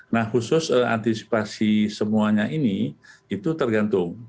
nah khusus antisipasi semuanya ini itu tergantung